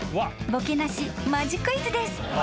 ボケなしマジクイズです］